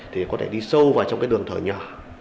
thì có thể đi sâu vào trong cái đường thở nhỏ